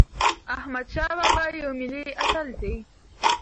احمدشاه بابا یو ملي اتل دی.